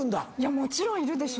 もちろんいるでしょ。